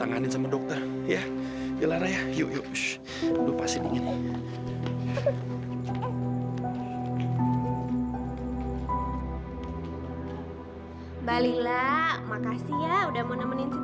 permisi nupang tanya kalau tempat pembayaran dimana ya sus